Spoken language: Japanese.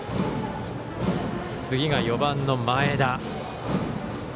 次が４番の前田。